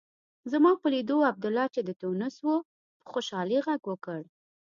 زما په لیدو عبدالله چې د تونس و په خوشالۍ غږ وکړ.